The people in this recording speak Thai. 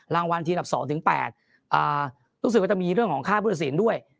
รางวัลทีมดับ๒๘อ่ารู้สึกว่ามีเรื่องของค่าภูติศีลด้วย